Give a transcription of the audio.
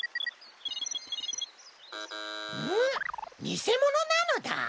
にせものなのだ！